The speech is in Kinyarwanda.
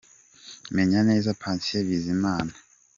Menye neza – Patient Bizimana e.